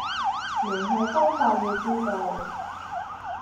聯繫方法要知道